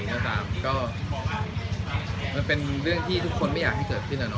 จะเป็นเรื่องที่ทุกคนไม่อยากให้เกิดขึ้น